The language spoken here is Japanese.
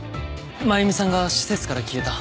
真弓さんが施設から消えた。